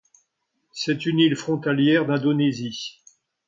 C'est une île frontalière d'Indonésie.